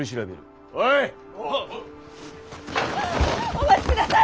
お待ちください！